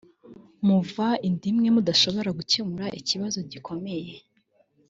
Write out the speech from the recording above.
muva inda imwe mudashobora gukemura ikibazo gikomeye